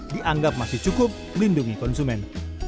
dianggap masih cukup melindungi konsumen